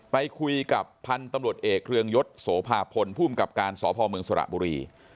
ไปคุยกับพันธุ์ตำรวจเอกเรืองยศโสภาพลภูมิกับการสพเมืองสระบุรี